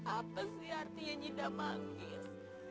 apa sih artinya nyida manggis